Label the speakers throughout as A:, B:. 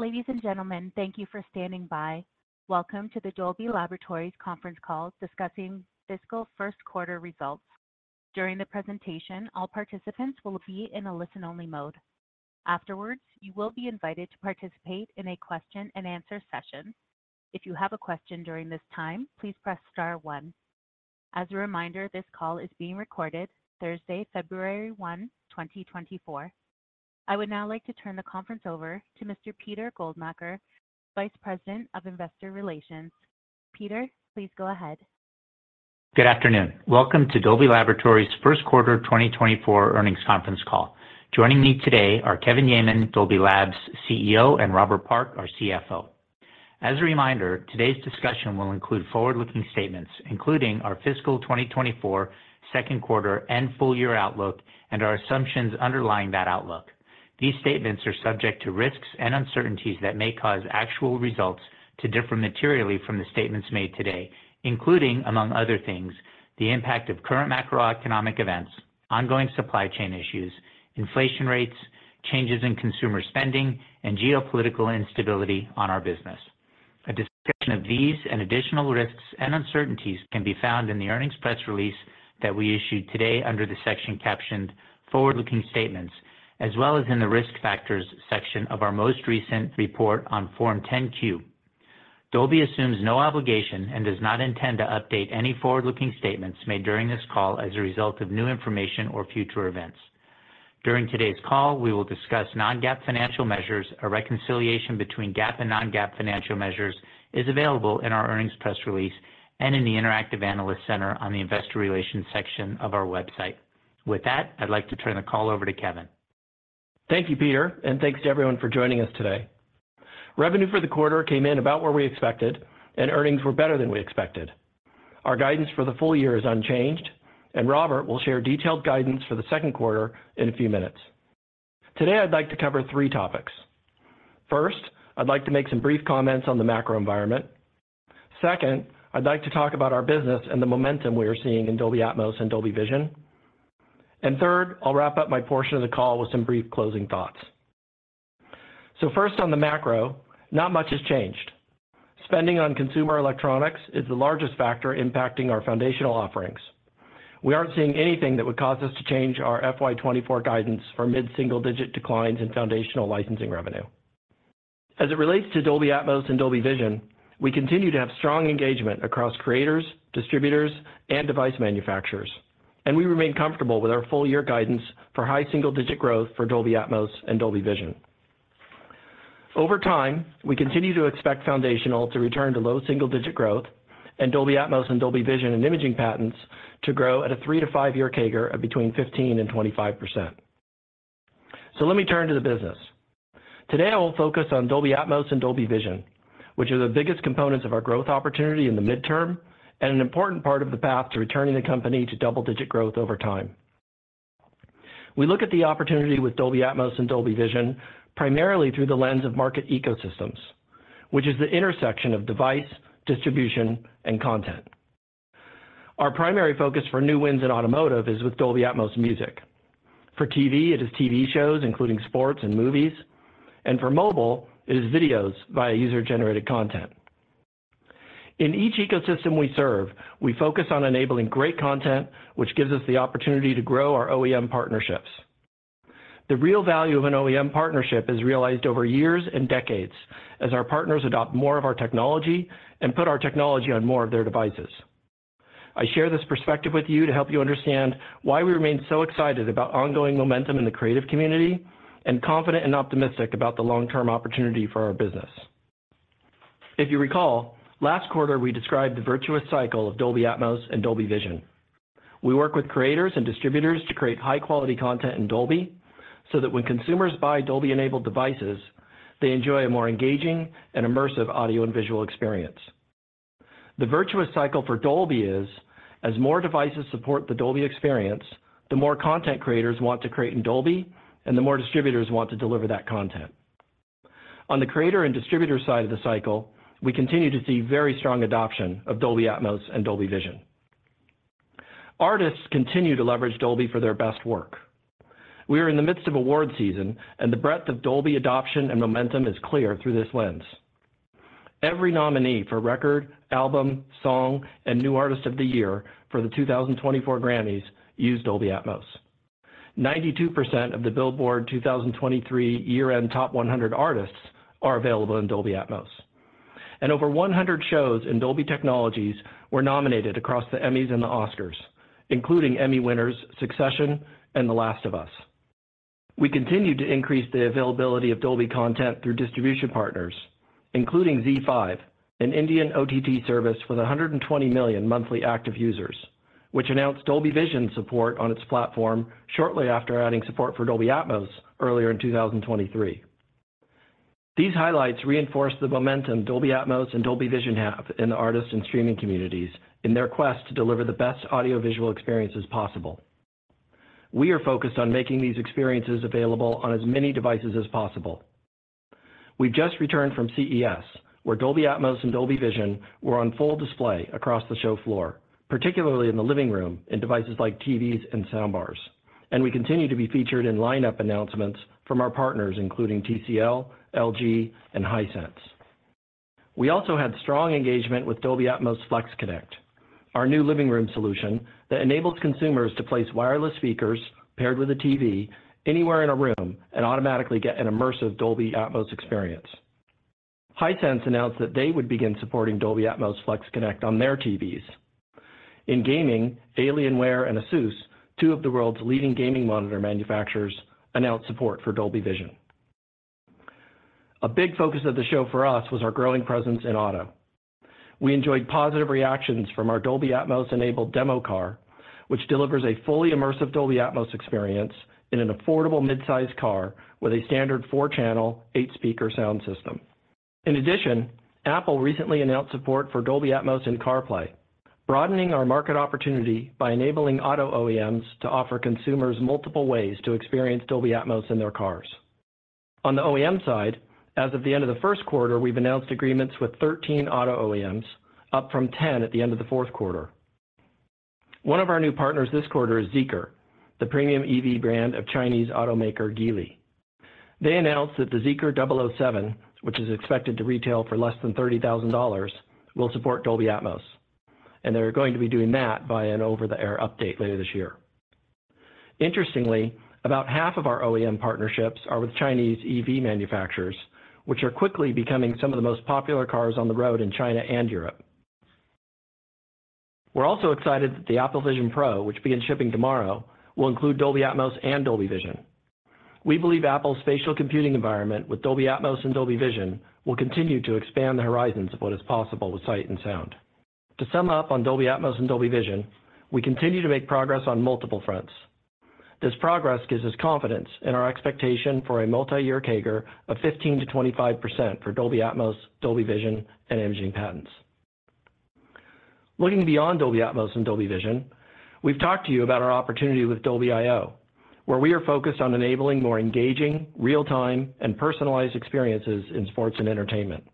A: Ladies and gentlemen, thank you for standing by. Welcome to the Dolby Laboratories conference call discussing fiscal first quarter results. During the presentation, all participants will be in a listen-only mode. Afterwards, you will be invited to participate in a question-and-answer session. If you have a question during this time, please press star one. As a reminder, this call is being recorded Thursday, February 1, 2024. I would now like to turn the conference over to Mr. Peter Goldmacher, Vice President of Investor Relations. Peter, please go ahead.
B: Good afternoon. Welcome to Dolby Laboratories first quarter 2024 earnings conference call. Joining me today are Kevin Yeaman, Dolby Labs CEO, and Robert Park, our CFO. As a reminder, today's discussion will include forward-looking statements, including our fiscal 2024 second quarter and full year outlook, and our assumptions underlying that outlook. These statements are subject to risks and uncertainties that may cause actual results to differ materially from the statements made today, including, among other things, the impact of current macroeconomic events, ongoing supply chain issues, inflation rates, changes in consumer spending, and geopolitical instability on our business. A discussion of these and additional risks and uncertainties can be found in the earnings press release that we issued today under the section captioned "Forward-Looking Statements," as well as in the Risk Factors section of our most recent report on Form 10-Q. Dolby assumes no obligation and does not intend to update any forward-looking statements made during this call as a result of new information or future events. During today's call, we will discuss non-GAAP financial measures. A reconciliation between GAAP and non-GAAP financial measures is available in our earnings press release and in the Interactive Analyst Center on the investor relations section of our website. With that, I'd like to turn the call over to Kevin.
C: Thank you, Peter, and thanks to everyone for joining us today. Revenue for the quarter came in about where we expected, and earnings were better than we expected. Our guidance for the full year is unchanged, and Robert will share detailed guidance for the second quarter in a few minutes. Today, I'd like to cover three topics. First, I'd like to make some brief comments on the macro environment. Second, I'd like to talk about our business and the momentum we are seeing in Dolby Atmos and Dolby Vision. And third, I'll wrap up my portion of the call with some brief closing thoughts. So first on the macro, not much has changed. Spending on consumer electronics is the largest factor impacting our foundational offerings. We aren't seeing anything that would cause us to change our FY24 guidance for mid-single-digit declines in foundational licensing revenue. As it relates to Dolby Atmos and Dolby Vision, we continue to have strong engagement across creators, distributors, and device manufacturers, and we remain comfortable with our full year guidance for high single-digit growth for Dolby Atmos and Dolby Vision. Over time, we continue to expect foundational to return to low single-digit growth and Dolby Atmos and Dolby Vision and imaging patents to grow at a 3- to 5-year CAGR of between 15% and 25%. So let me turn to the business. Today, I will focus on Dolby Atmos and Dolby Vision, which are the biggest components of our growth opportunity in the midterm and an important part of the path to returning the company to double-digit growth over time. We look at the opportunity with Dolby Atmos and Dolby Vision primarily through the lens of market ecosystems, which is the intersection of device, distribution, and content. Our primary focus for new wins in automotive is with Dolby Atmos music. For TV, it is TV shows, including sports and movies, and for mobile, it is videos via user-generated content. In each ecosystem we serve, we focus on enabling great content, which gives us the opportunity to grow our OEM partnerships. The real value of an OEM partnership is realized over years and decades as our partners adopt more of our technology and put our technology on more of their devices. I share this perspective with you to help you understand why we remain so excited about ongoing momentum in the creative community and confident and optimistic about the long-term opportunity for our business. If you recall, last quarter we described the virtuous cycle of Dolby Atmos and Dolby Vision. We work with creators and distributors to create high-quality content in Dolby, so that when consumers buy Dolby-enabled devices, they enjoy a more engaging and immersive audio and visual experience. The virtuous cycle for Dolby is, as more devices support the Dolby experience, the more content creators want to create in Dolby and the more distributors want to deliver that content. On the creator and distributor side of the cycle, we continue to see very strong adoption of Dolby Atmos and Dolby Vision. Artists continue to leverage Dolby for their best work. We are in the midst of award season, and the breadth of Dolby adoption and momentum is clear through this lens. Every nominee for Record, Album, Song, and New Artist of the Year for the 2024 Grammys used Dolby Atmos. 92% of the Billboard 2023 year-end top 100 artists are available in Dolby Atmos, and over 100 shows in Dolby Technologies were nominated across the Emmys and the Oscars, including Emmy winners, Succession and The Last of Us. We continue to increase the availability of Dolby content through distribution partners, including ZEE5, an Indian OTT service with 120 million monthly active users, which announced Dolby Vision support on its platform shortly after adding support for Dolby Atmos earlier in 2023. These highlights reinforce the momentum Dolby Atmos and Dolby Vision have in the artists and streaming communities in their quest to deliver the best audiovisual experiences possible. We are focused on making these experiences available on as many devices as possible. We've just returned from CES, where Dolby Atmos and Dolby Vision were on full display across the show floor, particularly in the living room, in devices like TVs and soundbars. We continue to be featured in lineup announcements from our partners, including TCL, LG, and Hisense. We also had strong engagement with Dolby Atmos FlexConnect, our new living room solution that enables consumers to place wireless speakers paired with a TV anywhere in a room and automatically get an immersive Dolby Atmos experience. Hisense announced that they would begin supporting Dolby Atmos FlexConnect on their TVs. In gaming, Alienware and ASUS, two of the world's leading gaming monitor manufacturers, announced support for Dolby Vision. A big focus of the show for us was our growing presence in auto. We enjoyed positive reactions from our Dolby Atmos-enabled demo car, which delivers a fully immersive Dolby Atmos experience in an affordable mid-size car with a standard 4-channel, 8-speaker sound system. In addition, Apple recently announced support for Dolby Atmos in CarPlay, broadening our market opportunity by enabling auto OEMs to offer consumers multiple ways to experience Dolby Atmos in their cars. On the OEM side, as of the end of the first quarter, we've announced agreements with 13 auto OEMs, up from 10 at the end of the fourth quarter. One of our new partners this quarter is Zeekr, the premium EV brand of Chinese automaker Geely. They announced that the Zeekr 007, which is expected to retail for less than $30,000, will support Dolby Atmos, and they're going to be doing that by an over-the-air update later this year. Interestingly, about half of our OEM partnerships are with Chinese EV manufacturers, which are quickly becoming some of the most popular cars on the road in China and Europe. We're also excited that the Apple Vision Pro, which begins shipping tomorrow, will include Dolby Atmos and Dolby Vision. We believe Apple's spatial computing environment with Dolby Atmos and Dolby Vision will continue to expand the horizons of what is possible with sight and sound. To sum up on Dolby Atmos and Dolby Vision, we continue to make progress on multiple fronts. This progress gives us confidence in our expectation for a multi-year CAGR of 15%-25% for Dolby Atmos, Dolby Vision, and imaging patents. Looking beyond Dolby Atmos and Dolby Vision, we've talked to you about our opportunity with Dolby.io, where we are focused on enabling more engaging, real-time, and personalized experiences in sports and entertainment.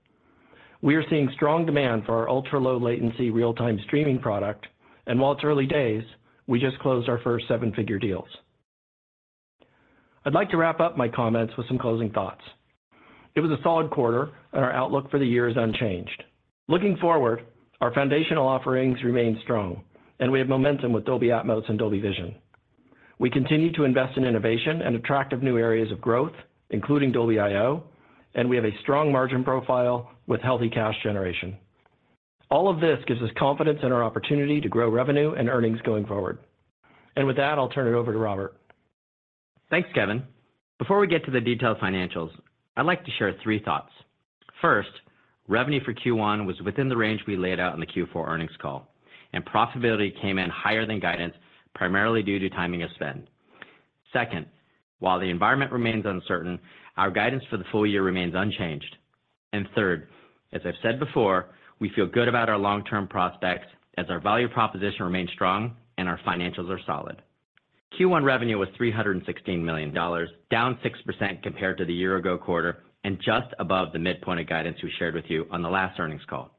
C: We are seeing strong demand for our ultra-low latency, real-time streaming product, and while it's early days, we just closed our first seven-figure deals. I'd like to wrap up my comments with some closing thoughts. It was a solid quarter, and our outlook for the year is unchanged. Looking forward, our foundational offerings remain strong, and we have momentum with Dolby Atmos and Dolby Vision. We continue to invest in innovation and attractive new areas of growth, including Dolby.io, and we have a strong margin profile with healthy cash generation. All of this gives us confidence in our opportunity to grow revenue and earnings going forward. With that, I'll turn it over to Robert.
D: Thanks, Kevin. Before we get to the detailed financials, I'd like to share three thoughts. First, revenue for Q1 was within the range we laid out in the Q4 earnings call, and profitability came in higher than guidance, primarily due to timing of spend. Second, while the environment remains uncertain, our guidance for the full year remains unchanged. Third, as I've said before, we feel good about our long-term prospects as our value proposition remains strong and our financials are solid. Q1 revenue was $316 million, down 6% compared to the year ago quarter and just above the midpoint of guidance we shared with you on the last earnings call.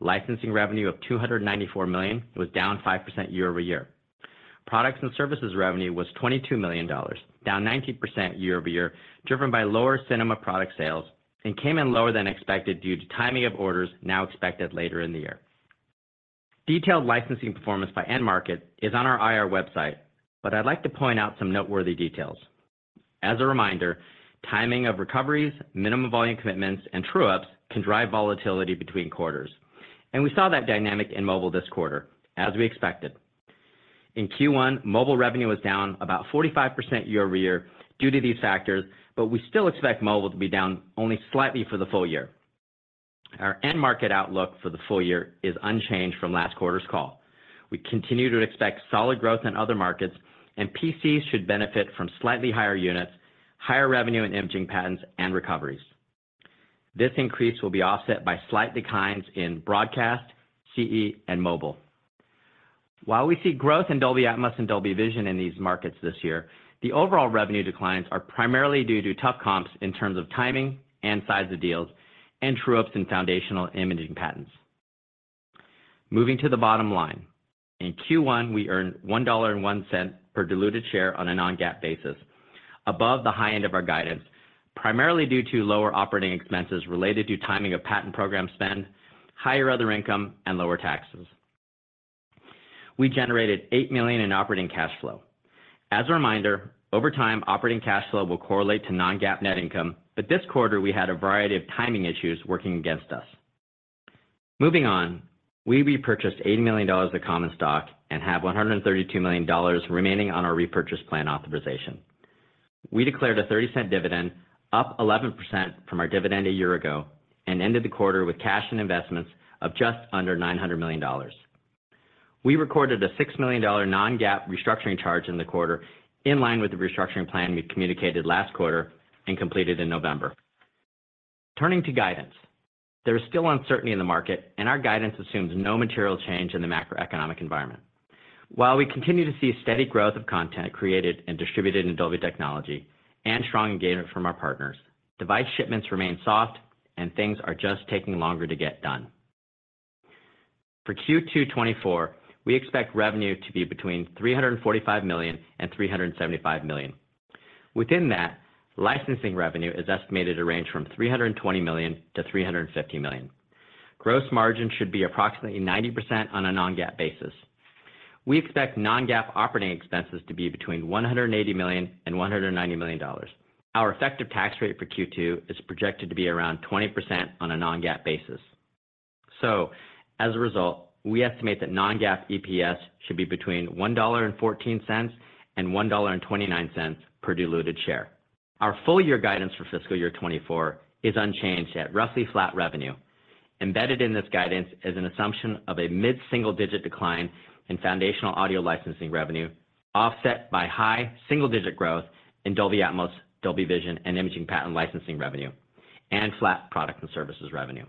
D: Licensing revenue of $294 million was down 5% year over year. Products and services revenue was $22 million, down 19% year-over-year, driven by lower cinema product sales, and came in lower than expected due to timing of orders now expected later in the year. Detailed licensing performance by end market is on our IR website, but I'd like to point out some noteworthy details. As a reminder, timing of recoveries, minimum volume commitments, and true-ups can drive volatility between quarters, and we saw that dynamic in mobile this quarter, as we expected. In Q1, mobile revenue was down about 45% year-over-year due to these factors, but we still expect mobile to be down only slightly for the full year. Our end market outlook for the full year is unchanged from last quarter's call. We continue to expect solid growth in other markets, and PCs should benefit from slightly higher units, higher revenue in imaging patents, and recoveries. This increase will be offset by slight declines in broadcast, CE, and mobile. While we see growth in Dolby Atmos and Dolby Vision in these markets this year, the overall revenue declines are primarily due to tough comps in terms of timing and size of deals, and true-ups in foundational imaging patents. Moving to the bottom line. In Q1, we earned $1.01 per diluted share on a non-GAAP basis, above the high end of our guidance, primarily due to lower operating expenses related to timing of patent program spend, higher other income, and lower taxes. We generated $8 million in operating cash flow. As a reminder, over time, operating cash flow will correlate to non-GAAP net income, but this quarter, we had a variety of timing issues working against us. Moving on. We repurchased $80 million of common stock and have $132 million remaining on our repurchase plan authorization. We declared a $0.30 dividend, up 11% from our dividend a year ago, and ended the quarter with cash and investments of just under $900 million. We recorded a $6 million non-GAAP restructuring charge in the quarter, in line with the restructuring plan we communicated last quarter and completed in November. Turning to guidance. There is still uncertainty in the market, and our guidance assumes no material change in the macroeconomic environment. While we continue to see steady growth of content created and distributed in Dolby technology and strong engagement from our partners, device shipments remain soft, and things are just taking longer to get done. For Q2 2024, we expect revenue to be between $345 million and $375 million. Within that, licensing revenue is estimated to range from $320 million to $350 million. Gross margin should be approximately 90% on a non-GAAP basis. We expect non-GAAP operating expenses to be between $180 million and $190 million. Our effective tax rate for Q2 is projected to be around 20% on a non-GAAP basis. So as a result, we estimate that non-GAAP EPS should be between $1.14 and $1.29 per diluted share. Our full year guidance for fiscal year 2024 is unchanged at roughly flat revenue. Embedded in this guidance is an assumption of a mid-single-digit decline in foundational audio licensing revenue, offset by high single-digit growth in Dolby Atmos, Dolby Vision, and imaging patent licensing revenue, and flat product and services revenue.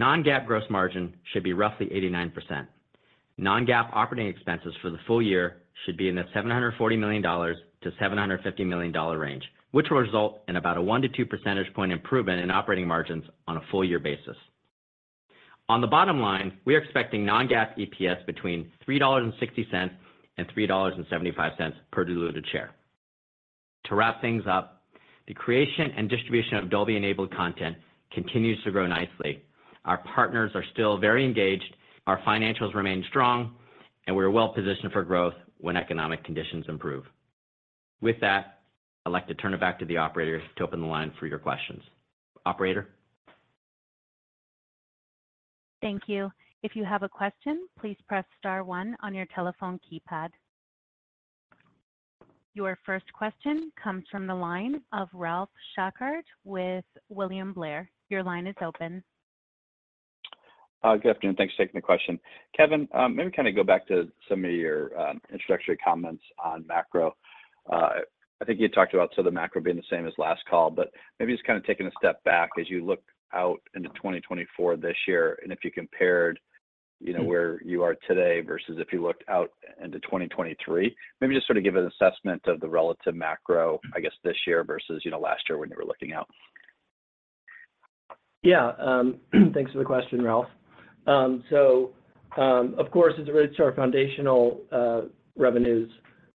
D: Non-GAAP gross margin should be roughly 89%. Non-GAAP operating expenses for the full year should be in the $740 million-$750 million range, which will result in about a 1-2 percentage point improvement in operating margins on a full year basis. On the bottom line, we are expecting non-GAAP EPS between $3.60 and $3.75 per diluted share. To wrap things up, the creation and distribution of Dolby-enabled content continues to grow nicely. Our partners are still very engaged, our financials remain strong, and we're well-positioned for growth when economic conditions improve. With that, I'd like to turn it back to the operator to open the line for your questions. Operator?
A: Thank you. If you have a question, please press star one on your telephone keypad. Your first question comes from the line of Ralph Schackart with William Blair. Your line is open.
E: Good afternoon. Thanks for taking the question. Kevin, maybe kind of go back to some of your introductory comments on macro. I think you had talked about so the macro being the same as last call, but maybe just kind of taking a step back as you look out into 2024 this year, and if you compared, you know, where you are today versus if you looked out into 2023. Maybe just sort of give an assessment of the relative macro, I guess, this year versus, you know, last year when you were looking out.
C: Yeah, thanks for the question, Ralph. So, of course, as it relates to our foundational revenues,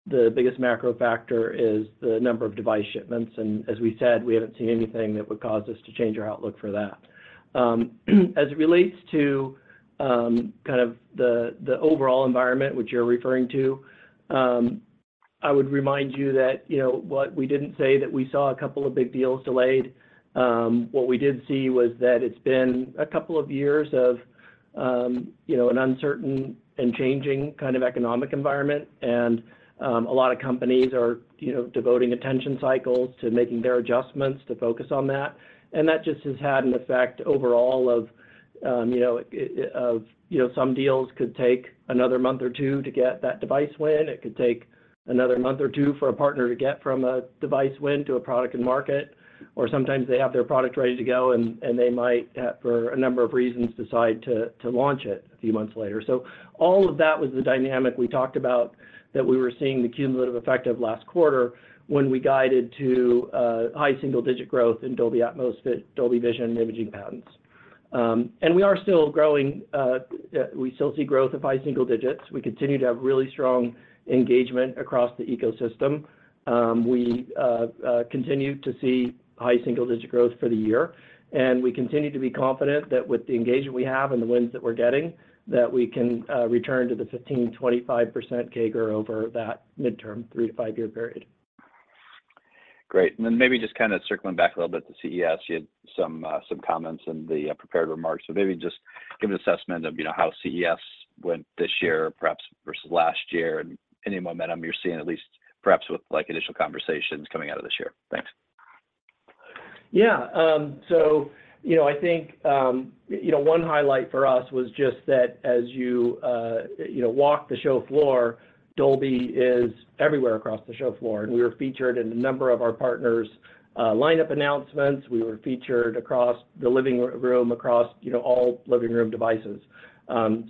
C: the biggest macro factor is the number of device shipments, and as we said, we haven't seen anything that would cause us to change our outlook for that. As it relates to kind of the overall environment, which you're referring to, I would remind you that, you know, what we didn't say that we saw a couple of big deals delayed. What we did see was that it's been a couple of years of, you know, an uncertain and changing kind of economic environment, and a lot of companies are, you know, devoting attention cycles to making their adjustments to focus on that. That just has had an effect overall of, you know, some deals could take another month or two to get that device win. It could take another month or two for a partner to get from a device win to a product and market, or sometimes they have their product ready to go and they might, for a number of reasons, decide to launch it a few months later. So all of that was the dynamic we talked about, that we were seeing the cumulative effect of last quarter when we guided to high single-digit growth in Dolby Atmos, Dolby Vision, and imaging patents. We are still growing. We still see growth of high single digits. We continue to have really strong engagement across the ecosystem. We continue to see high single-digit growth for the year, and we continue to be confident that with the engagement we have and the wins that we're getting, that we can return to the 15%-25% CAGR over that midterm, 3-5-year period.
E: Great. And then maybe just kind of circling back a little bit to CES, you had some, some comments in the, prepared remarks. So maybe just give an assessment of, you know, how CES went this year, perhaps versus last year, and any momentum you're seeing, at least perhaps with, like, initial conversations coming out of this year. Thanks.
C: Yeah. So, you know, I think, you know, one highlight for us was just that as you, you know, walk the show floor, Dolby is everywhere across the show floor, and we were featured in a number of our partners', lineup announcements. We were featured across the living room, across, you know, all living room devices.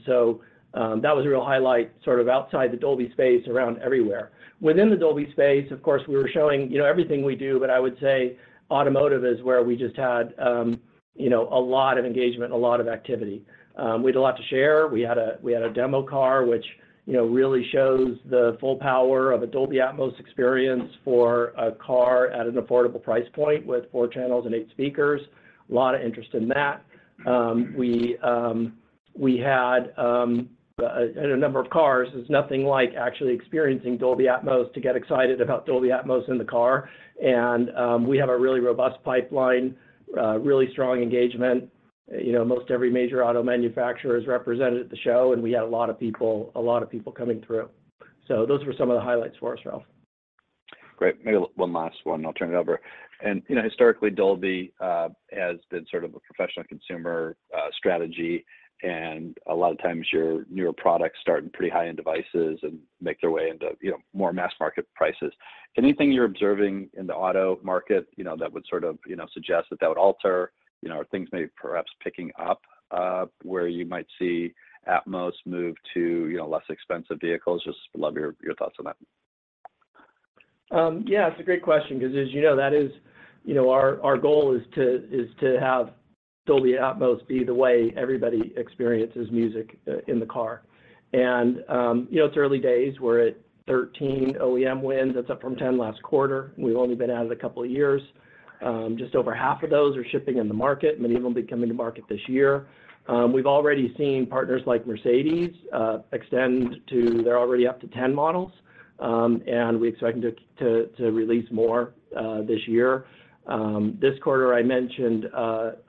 C: So, that was a real highlight, sort of outside the Dolby space, around everywhere. Within the Dolby space, of course, we were showing, you know, everything we do, but I would say automotive is where we just had, you know, a lot of engagement, a lot of activity. We had a lot to share. We had a demo car, which, you know, really shows the full power of a Dolby Atmos experience for a car at an affordable price point, with four channels and eight speakers. A lot of interest in that. We had and a number of cars. There's nothing like actually experiencing Dolby Atmos to get excited about Dolby Atmos in the car. And we have a really robust pipeline, really strong engagement. You know, most every major auto manufacturer is represented at the show, and we had a lot of people, a lot of people coming through. So those were some of the highlights for us, Ralph.
E: Great. Maybe one last one, and I'll turn it over. And, you know, historically, Dolby has been sort of a professional consumer strategy, and a lot of times your newer products start in pretty high-end devices and make their way into, you know, more mass market prices. Anything you're observing in the auto market, you know, that would sort of, you know, suggest that that would alter, you know, are things maybe perhaps picking up, where you might see Atmos move to, you know, less expensive vehicles? Just love your, your thoughts on that....
C: Yeah, it's a great question, 'cause as you know, that is, you know, our goal is to have Dolby Atmos be the way everybody experiences music in the car. And, you know, it's early days. We're at 13 OEM wins. That's up from 10 last quarter. We've only been at it a couple of years. Just over half of those are shipping in the market. Many of them will be coming to market this year. We've already seen partners like Mercedes extend to - they're already up to 10 models. And we're expecting to release more this year. This quarter, I mentioned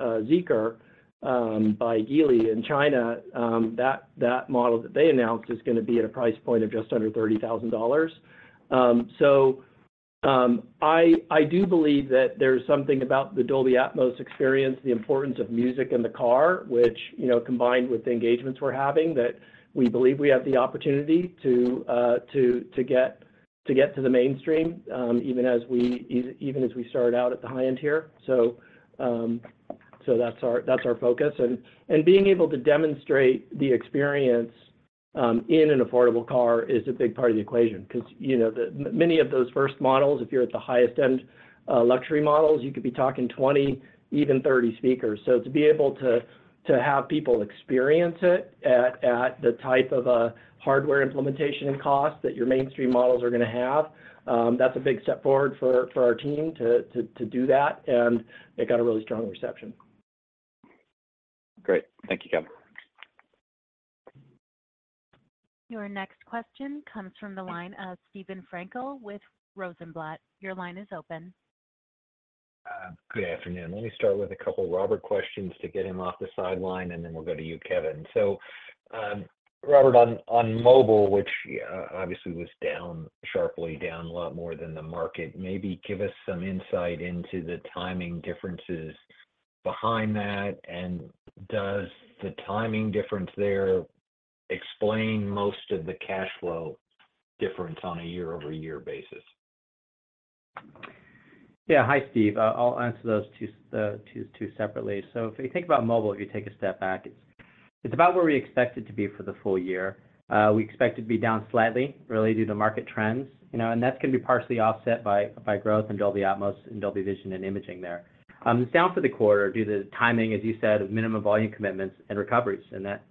C: Zeekr by Geely in China. That model that they announced is gonna be at a price point of just under $30,000. I do believe that there's something about the Dolby Atmos experience, the importance of music in the car, which, you know, combined with the engagements we're having, that we believe we have the opportunity to get to the mainstream, even as we start out at the high end here. So that's our focus. And being able to demonstrate the experience in an affordable car is a big part of the equation. 'Cause, you know, many of those first models, if you're at the highest end, luxury models, you could be talking 20, even 30 speakers. To be able to have people experience it at the type of hardware implementation and cost that your mainstream models are gonna have, that's a big step forward for our team to do that, and it got a really strong reception.
E: Great. Thank you, Kevin.
A: Your next question comes from the line of Steven Frankel with Rosenblatt. Your line is open.
F: Good afternoon. Let me start with a couple of Robert questions to get him off the sideline, and then we'll go to you, Kevin. So, Robert, on, on mobile, which obviously was down, sharply down, a lot more than the market, maybe give us some insight into the timing differences behind that, and does the timing difference there explain most of the cash flow difference on a year-over-year basis?
D: Yeah. Hi, Steve. I'll answer those two separately. So if you think about mobile, if you take a step back, it's about where we expect it to be for the full year. We expect it to be down slightly, really due to market trends, you know, and that's gonna be partially offset by growth in Dolby Atmos and Dolby Vision and Imaging there. It's down for the quarter due to the timing, as you said, of minimum volume commitments and recoveries, and that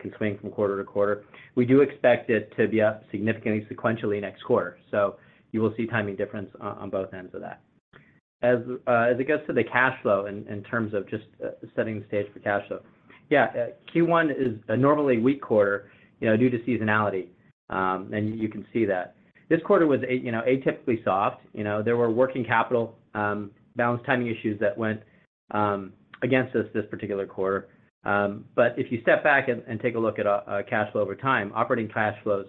D: can swing from quarter to quarter. We do expect it to be up significantly sequentially next quarter, so you will see timing differences on both ends of that. As it gets to the cash flow, in terms of just setting the stage for cash flow. Yeah, Q1 is a normally weak quarter, you know, due to seasonality, and you can see that. This quarter was a, you know, atypically soft. You know, there were working capital balance timing issues that went against us this particular quarter. But if you step back and take a look at cash flow over time, operating cash flows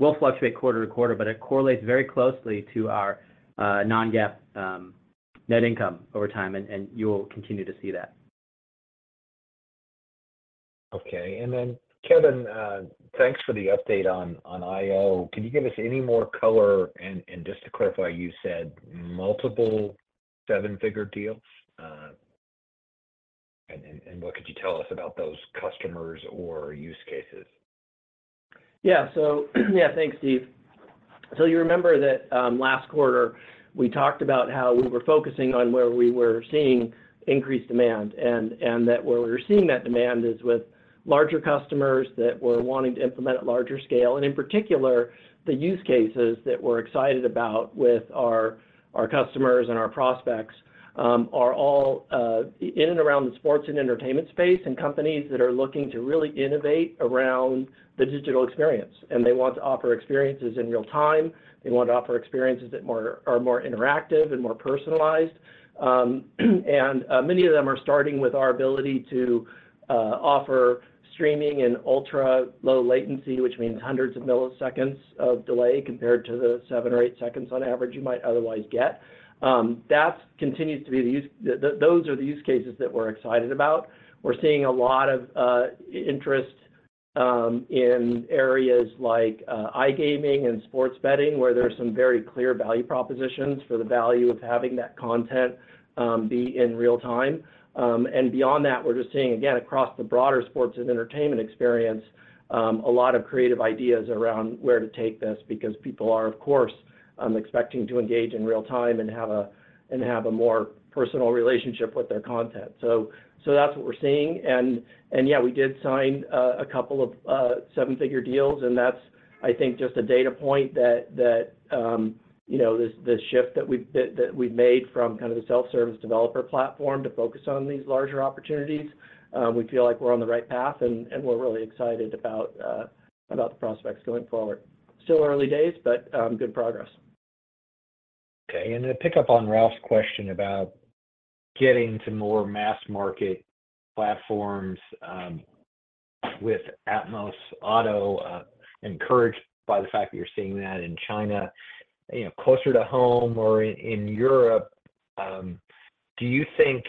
D: will fluctuate quarter to quarter, but it correlates very closely to our non-GAAP net income over time, and you will continue to see that.
F: Okay. And then, Kevin, thanks for the update on IO. Can you give us any more color? And just to clarify, you said multiple seven-figure deals, and what could you tell us about those customers or use cases?
C: Yeah. So, yeah, thanks, Steve. So you remember that, last quarter, we talked about how we were focusing on where we were seeing increased demand, and that where we were seeing that demand is with larger customers that were wanting to implement at larger scale. And in particular, the use cases that we're excited about with our customers and our prospects are all in and around the sports and entertainment space, and companies that are looking to really innovate around the digital experience. And they want to offer experiences in real time. They want to offer experiences that more are more interactive and more personalized. Many of them are starting with our ability to offer streaming and ultra-low latency, which means hundreds of milliseconds of delay, compared to the 7 or 8 seconds on average you might otherwise get. That continues to be the use cases that we're excited about. We're seeing a lot of interest in areas like iGaming and sports betting, where there are some very clear value propositions for the value of having that content be in real time. And beyond that, we're just seeing, again, across the broader sports and entertainment experience, a lot of creative ideas around where to take this because people are, of course, expecting to engage in real time and have a more personal relationship with their content. So that's what we're seeing. Yeah, we did sign a couple of seven-figure deals, and that's, I think, just a data point that you know this, the shift that we've made from kind of the self-service developer platform to focus on these larger opportunities. We feel like we're on the right path, and we're really excited about the prospects going forward. Still early days, but good progress.
F: Okay. And to pick up on Ralph's question about getting to more mass market platforms, with Atmos Auto, encouraged by the fact that you're seeing that in China, you know, closer to home or in Europe, do you think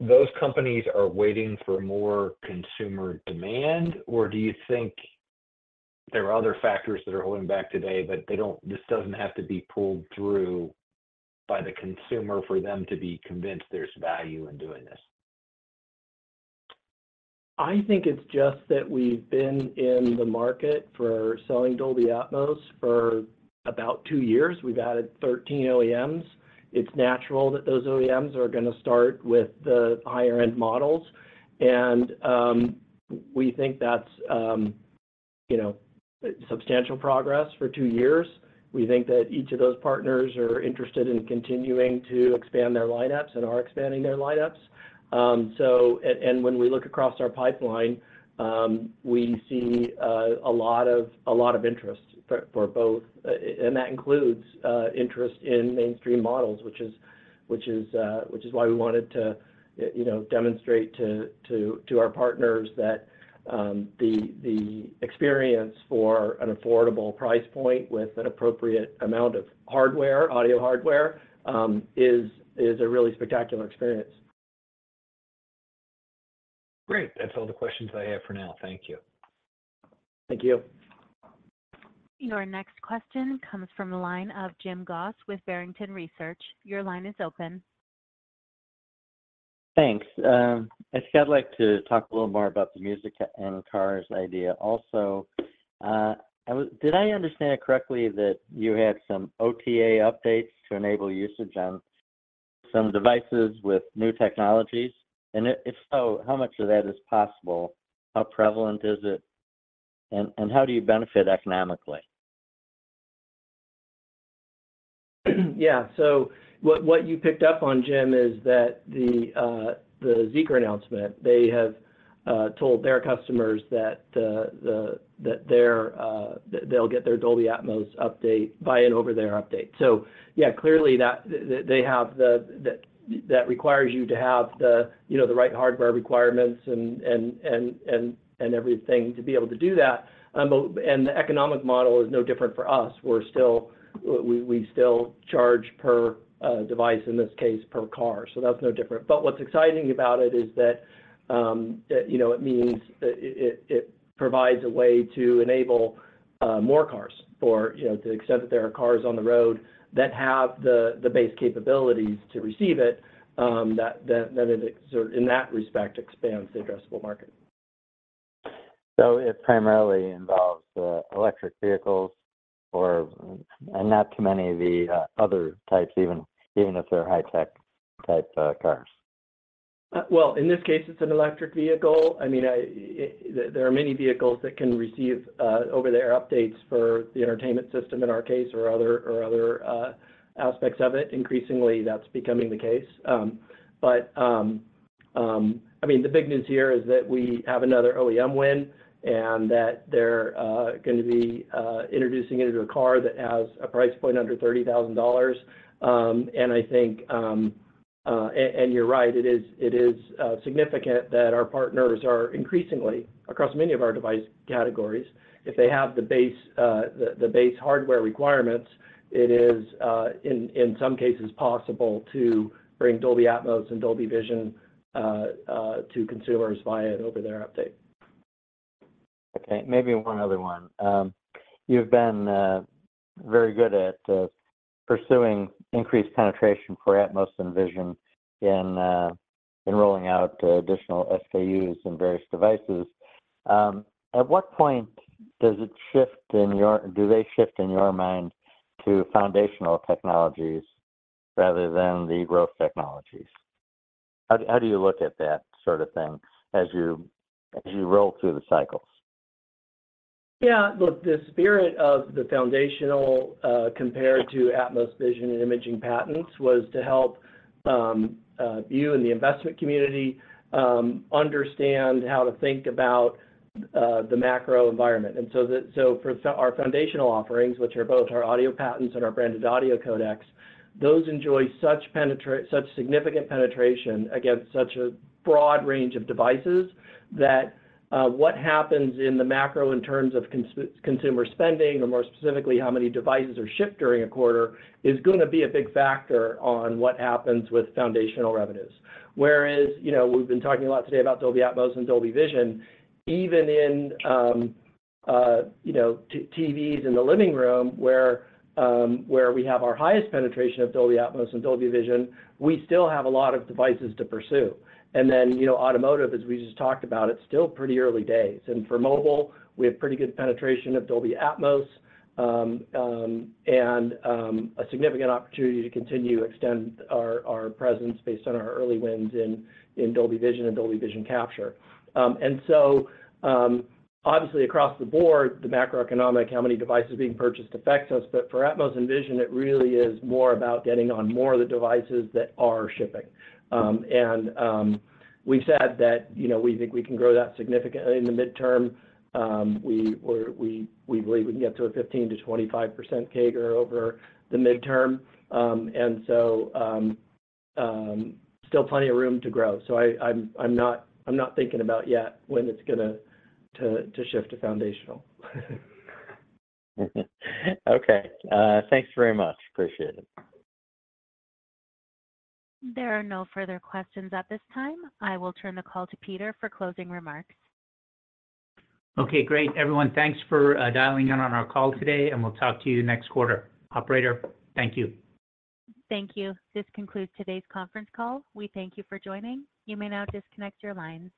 F: those companies are waiting for more consumer demand, or do you think there are other factors that are holding back today, but they don't-- this doesn't have to be pulled through by the consumer for them to be convinced there's value in doing this?...
C: I think it's just that we've been in the market for selling Dolby Atmos for about 2 years. We've added 13 OEMs. It's natural that those OEMs are gonna start with the higher-end models, and we think that's, you know, substantial progress for 2 years. We think that each of those partners are interested in continuing to expand their lineups, and are expanding their lineups. So, and when we look across our pipeline, we see a lot of interest for both, and that includes interest in mainstream models, which is why we wanted to, you know, demonstrate to our partners that the experience for an affordable price point with an appropriate amount of hardware, audio hardware, is a really spectacular experience.
F: Great. That's all the questions I have for now. Thank you.
C: Thank you.
A: Your next question comes from the line of Jim Goss with Barrington Research. Your line is open.
G: Thanks. I'd just like to talk a little more about the music and cars idea. Also, did I understand correctly that you had some OTA updates to enable usage on some devices with new technologies? And if so, how much of that is possible? How prevalent is it, and how do you benefit economically?
C: Yeah, so what you picked up on, Jim, is that the Zeekr announcement, they have told their customers that their they'll get their Dolby Atmos update by an over-the-air update. So yeah, clearly, that they have the that requires you to have the, you know, the right hardware requirements and everything to be able to do that. But the economic model is no different for us. We're still we still charge per device, in this case, per car, so that's no different. But what's exciting about it is that, you know, it means that it provides a way to enable more cars, you know, to the extent that there are cars on the road that have the base capabilities to receive it, that it sort of, in that respect, expands the addressable market.
G: So it primarily involves electric vehicles or and not too many of the other types, even if they're high-tech type cars?
C: Well, in this case, it's an electric vehicle. I mean, there are many vehicles that can receive over-the-air updates for the entertainment system, in our case, or other aspects of it. Increasingly, that's becoming the case. But I mean, the big news here is that we have another OEM win, and that they're gonna be introducing it into a car that has a price point under $30,000. And I think... And you're right, it is significant that our partners are increasingly, across many of our device categories, if they have the base hardware requirements, it is, in some cases, possible to bring Dolby Atmos and Dolby Vision to consumers via an over-the-air update.
G: Okay, maybe one other one. You've been very good at pursuing increased penetration for Atmos and Vision in rolling out additional SKUs in various devices. At what point does it shift in your—do they shift in your mind to foundational technologies, rather than the growth technologies? How do you look at that sort of thing as you roll through the cycles?
C: Yeah, look, the spirit of the foundational, compared to Atmos, Vision, and imaging patents, was to help you and the investment community understand how to think about the macro environment. So for our foundational offerings, which are both our audio patents and our branded audio codecs, those enjoy such significant penetration against such a broad range of devices that what happens in the macro in terms of consumer spending, or more specifically, how many devices are shipped during a quarter, is gonna be a big factor on what happens with foundational revenues. Whereas, you know, we've been talking a lot today about Dolby Atmos and Dolby Vision, even in, you know, TVs in the living room, where we have our highest penetration of Dolby Atmos and Dolby Vision, we still have a lot of devices to pursue. And then, you know, automotive, as we just talked about, it's still pretty early days. And for mobile, we have pretty good penetration of Dolby Atmos, and a significant opportunity to continue to extend our presence based on our early wins in Dolby Vision and Dolby Vision capture. And so, obviously, across the board, the macroeconomic, how many devices are being purchased, affects us, but for Atmos and Vision, it really is more about getting on more of the devices that are shipping. And we've said that, you know, we think we can grow that significantly in the midterm. We're we believe we can get to a 15%-25% CAGR over the midterm. And so, still plenty of room to grow. So I'm not thinking about yet when it's gonna to shift to foundational.
G: Okay, thanks very much. Appreciate it.
A: There are no further questions at this time. I will turn the call to Peter for closing remarks.
B: Okay, great. Everyone, thanks for dialing in on our call today, and we'll talk to you next quarter. Operator, thank you.
A: Thank you. This concludes today's conference call. We thank you for joining. You may now disconnect your lines.